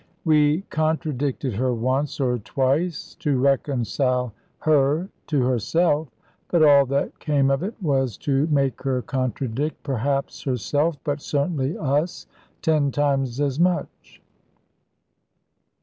We contradicted her once or twice to reconcile her to herself; but all that came of it was to make her contradict perhaps herself, but certainly us, ten times as much.